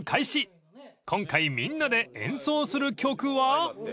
［今回みんなで演奏する曲は？］